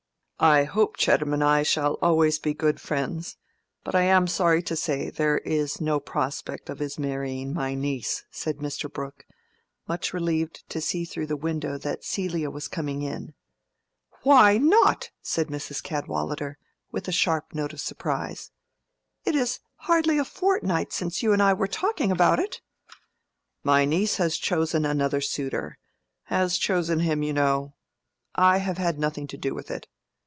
"I hope Chettam and I shall always be good friends; but I am sorry to say there is no prospect of his marrying my niece," said Mr. Brooke, much relieved to see through the window that Celia was coming in. "Why not?" said Mrs. Cadwallader, with a sharp note of surprise. "It is hardly a fortnight since you and I were talking about it." "My niece has chosen another suitor—has chosen him, you know. I have had nothing to do with it.